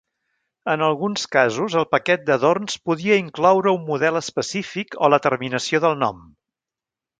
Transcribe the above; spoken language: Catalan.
En alguns casos, el paquet d"adorns podia incloure un model específic o la terminació del nom.